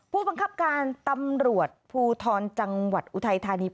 ผู้บังคับการตำรวจภูทรจังหวัดอุทัยธานี